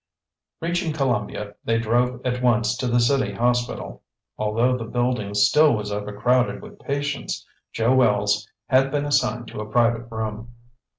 Reaching Columbia, they drove at once to the city hospital. Although the building still was overcrowded with patients, Joe Wells had been assigned to a private room.